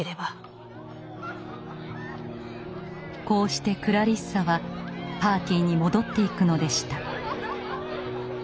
こうしてクラリッサはパーティーに戻っていくのでした。